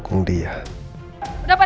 kalau aku disini untuk mendukung dia